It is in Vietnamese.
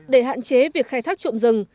để hạn chế việc khai thác trộm rừng